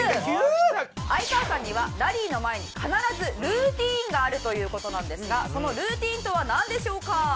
哀川さんにはラリーの前に必ずルーティンがあるという事なんですがそのルーティンとはなんでしょうか？